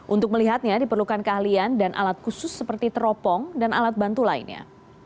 untuk melihatnya diperlukan keahlian dan alat khusus seperti teropong dan alat bantu lainnya